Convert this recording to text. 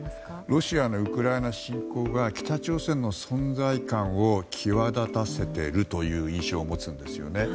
ロシアのウクライナ侵攻が北朝鮮の存在感を際立たせているという印象を持つんですよね。